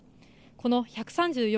この１３４